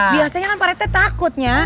biasanya kan parete takutnya